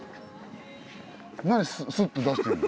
何スッて出してんの？